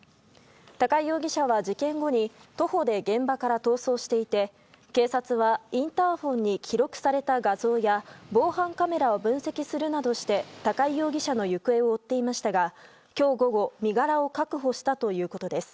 高井容疑者は、事件後に徒歩で現場から逃走していて警察はインターホンに記録された画像や防犯カメラを分析するなどして高井容疑者の行方を追っていましたが今日午後身柄を確保したということです。